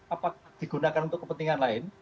apakah digunakan untuk kepentingan lain